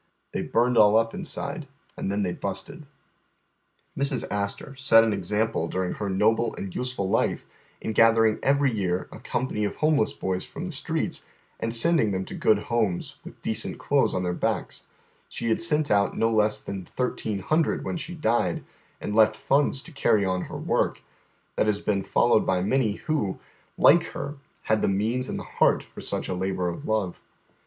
They burned all up inside, and then they busted." Mrs. Astor set an example during her noble and useful life in gathering every year a company of homelese boys from the streets and sending thera to good homes, witli decent clothes on their backs — she had sent out no less than thirteen hundred when she died, and left funds to carry on her work — that has been followed by many who, like her, had t!ie means and the heart for such a labor of love.